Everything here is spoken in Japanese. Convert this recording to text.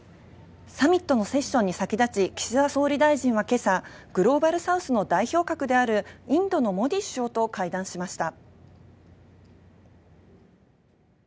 サミットのセッションに先立ち、岸田総理大臣は今朝、グローバルサウスの代表格であるインドのモディ首相と会談をしました。